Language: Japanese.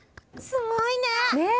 すごいね！